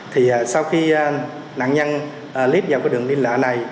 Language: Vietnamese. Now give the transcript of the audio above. thì sau khi nạn nhân liếp vào đường liên lạc